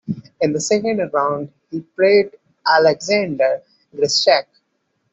In the second round he played Alexander Grischuk.